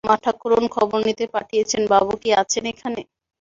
মাঠাকরুন খবর নিতে পাঠিয়েছেন বাবু কি আছেন এখানে?